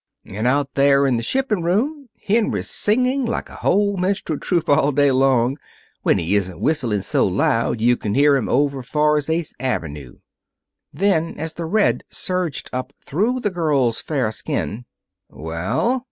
And out there in the shipping room Henry's singing like a whole minstrel troupe all day long, when he isn't whistlin' so loud you can hear him over 's far as Eighth Avenue." Then, as the red surged up through the girl's fair skin, "Well?"